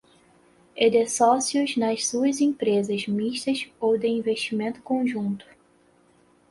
e de sócios nas suas empresas mistas ou de investimento conjunto